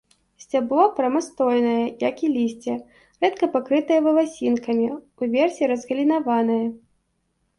Сцябло прамастойнае, як і лісце, рэдка пакрытае валасінкамі, уверсе разгалінаванае.